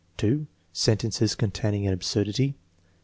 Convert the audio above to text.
f2) Sentences containing an absurdity.